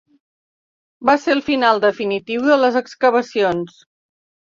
Va ser el final definitiu de les excavacions.